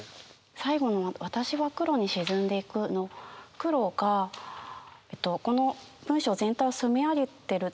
最後の「私は黒に沈んでいく」の「黒」がこの文章全体を染め上げてる。